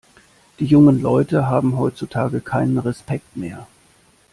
Die jungen Leute haben heutzutage keinen Respekt mehr!